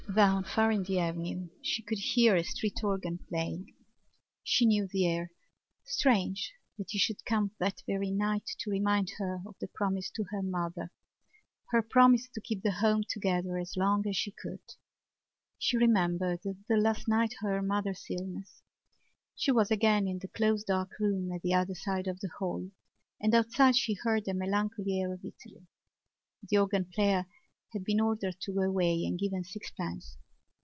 Down far in the avenue she could hear a street organ playing. She knew the air. Strange that it should come that very night to remind her of the promise to her mother, her promise to keep the home together as long as she could. She remembered the last night of her mother's illness; she was again in the close dark room at the other side of the hall and outside she heard a melancholy air of Italy. The organ player had been ordered to go away and given sixpence.